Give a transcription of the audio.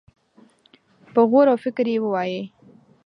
په غور او فکر يې ووايي.